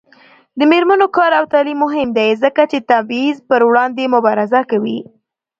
د میرمنو کار او تعلیم مهم دی ځکه چې تبعیض پر وړاندې مبارزه کوي.